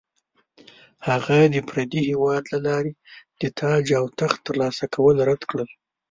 هغه د پردي هیواد له لارې د تاج او تخت ترلاسه کول رد کړل.